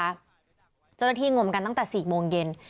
เจ้าหน้าที่งมกันตั้งแต่๔โมงเย็น